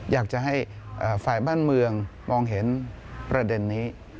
อยากจะให้ฝ่ายบ้านเมืองมองเห็นประเด็นนี้